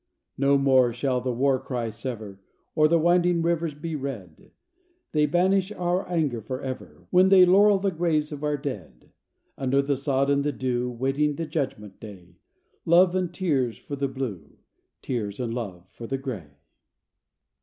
No more shall the war cry sever, Or the winding rivers be red: They banish our anger forever When they laurel the graves of our dead Under the sod and the dew, Waiting the judgment day; Love and tears for the Blue; Tears and love for the Gray."